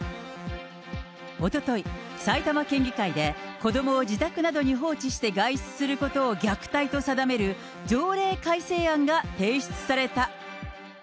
おととい、埼玉県議会で子どもを自宅などに放置して外出することを虐待と定める、条例改正案が提出された。